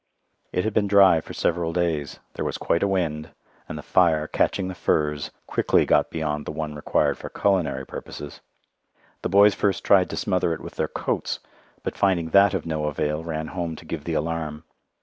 It had been dry for several days, there was quite a wind, and the fire, catching the furze, quickly got beyond the one required for culinary purposes. The boys first tried to smother it with their coats, but finding that of no avail ran home to give the alarm.